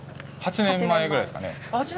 ８年前ぐらいですかね。